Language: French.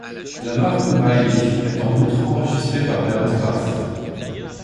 La marque Unheilig est en outre enregistrée par Bernd Graf.